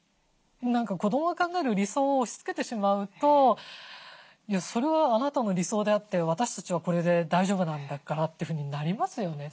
子どもが考える理想を押しつけてしまうと「それはあなたの理想であって私たちはこれで大丈夫なんだから」というふうになりますよね。